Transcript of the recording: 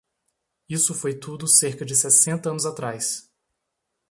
Isso foi tudo cerca de sessenta anos atrás.